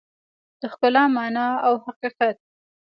د ښکلا مانا او حقیقت